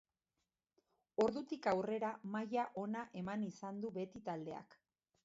Ordutik aurrera maila ona eman izan du beti taldeak.